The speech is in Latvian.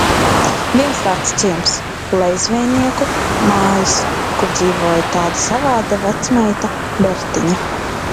"Viens tāds ciems "Lejzveinieku" mājas, kur dzīvoja tāda savāda vecmeita, Bertiņa."